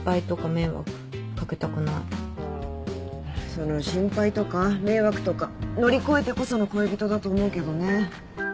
その心配とか迷惑とか乗り越えてこその恋人だと思うけどね。